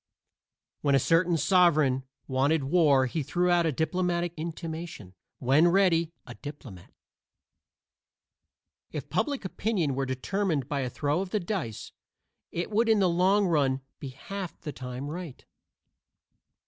When a certain sovereign wanted war he threw out a diplomatic intimation; when ready, a diplomat. If public opinion were determined by a throw of the dice, it would in the long run be half the time right.